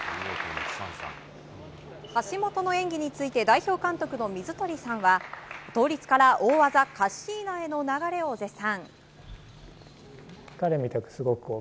橋本の演技について代表監督の水鳥さんは倒立から大技カッシーナへの流れを絶賛。